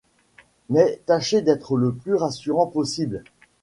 Mais tâchez d'être le plus rassurant possible.